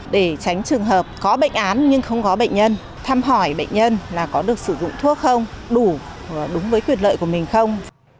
để tránh trường hợp có bệnh án nhưng không có bệnh nhân thăm hỏi bệnh nhân là có được sử dụng thuốc không đủ đúng với quyền lợi của mình không